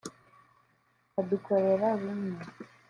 adukukorera bimwe